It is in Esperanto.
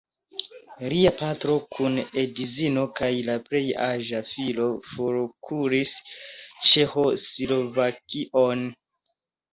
Lia patro kun edzino kaj la plej aĝa filo forkuris Ĉeĥoslovakion.